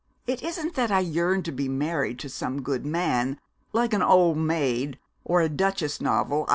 It isn't that I yearn to be married to some good man, like an old maid or a Duchess novel.